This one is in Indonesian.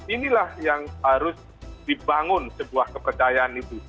inilah yang harus dibangun sebuah kepercayaan itu